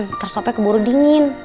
nanti sopnya keburu dingin